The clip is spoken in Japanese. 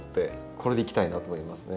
これでいきたいなと思いますね。